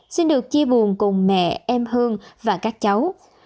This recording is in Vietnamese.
xin được chia buồn cùng mẹ em hương và các cháu